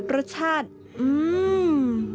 รสชาติอืม